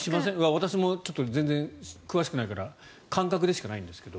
私も全然詳しくないから感覚でしかないんだけど。